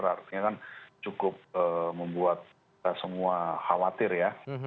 artinya kan cukup membuat kita semua khawatir ya